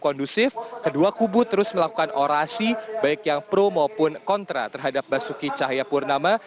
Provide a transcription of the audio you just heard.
kondusif kedua kubu terus melakukan orasi baik yang pro maupun kontra terhadap basuki cahayapurnama